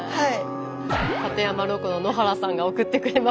館山ロコの野原さんが送ってくれました。